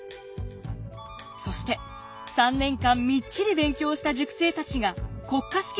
そして３年間みっちり勉強した塾生たちが国家試験に挑みました。